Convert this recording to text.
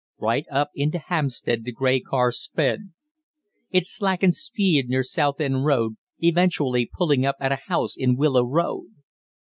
Right up into Hampstead the grey car sped. It slackened speed near Southend Road, eventually pulling up at a house in Willow Road.